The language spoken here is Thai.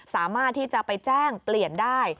สามารถที่จะไปแจ้งเปลี่ยนได้